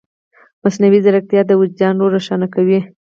مصنوعي ځیرکتیا د وجدان رول روښانه کوي.